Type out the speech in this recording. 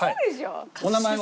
お名前は？